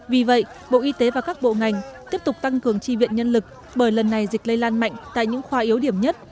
vì vậy bộ y tế và các bộ ngành tiếp tục tăng cường tri viện nhân lực bởi lần này dịch lây lan mạnh tại những khoa yếu điểm nhất